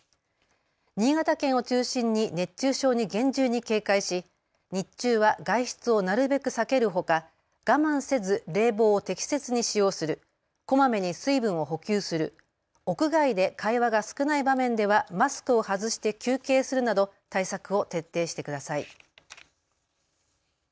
新潟県を中心に熱中症に厳重に警戒し日中は外出をなるべく避けるほか、我慢せず冷房を適切に使用する、こまめに水分を補給する、屋外で会話が少ない場面ではマスクを外して休憩するなど対策を徹底してください。